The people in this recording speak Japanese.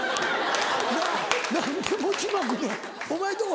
なぁ何で餅まくねんお前んとこ